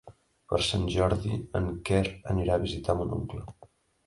Per Sant Jordi en Quer irà a visitar mon oncle.